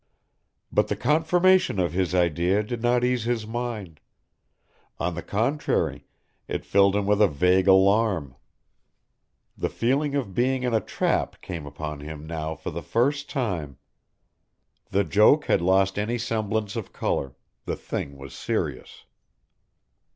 But the confirmation of his idea did not ease his mind. On the contrary it filled him with a vague alarm. The feeling of being in a trap came upon him now for the first time. The joke had lost any semblance of colour, the thing was serious.